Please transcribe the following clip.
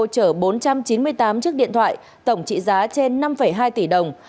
chở bốn trăm chín mươi tám chiếc điện thoại tổng trị giá trên năm hai tỷ đồng